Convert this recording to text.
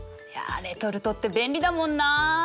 いやレトルトって便利だもんな。